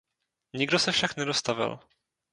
Nikdo se však nedostavil.